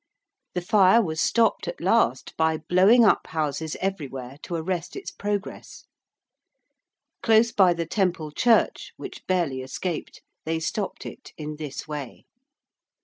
The fire was stopped at last by blowing up houses everywhere to arrest its progress. Close by the Temple Church (which barely escaped) they stopped it in this way.